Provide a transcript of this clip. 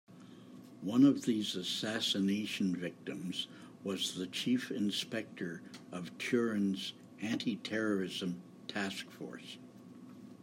One of these assassination victims was the Chief Inspector of Turin's anti-terrorism task force.